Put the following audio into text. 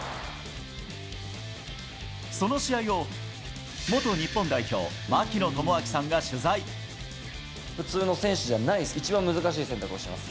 その試合を元日本代表、普通の選手じゃない、一番難しい選択をしてます。